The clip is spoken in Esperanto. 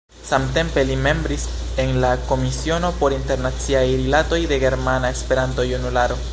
Samtempe li membris en la Komisiono por Internaciaj Rilatoj de Germana Esperanto-Junularo.